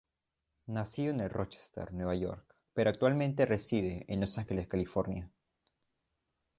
Nacido el en Rochester, Nueva York, pero actualmente reside en Los Ángeles, California.